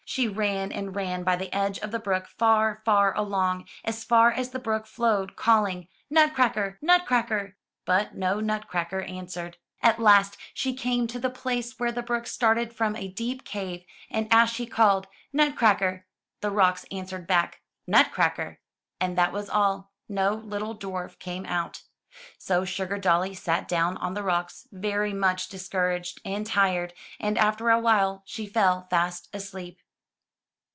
She ran and ran by the edge of the brook far, far along, as far as the brook flowed, calling, "'Nutcracker, Nutcracker," but no Nutcracker answered. 99 MY BOOK HOUSE At last she came to the place where the brook started from a deep cave, and as she called, '^Nutcracker,'' the rocks answered back, * 'Nutcracker,'* and that was all — no little dwarf came out. So Sugardolly sat down on the rocks, very much discouraged, and tired, and after a while she fell fast asleep.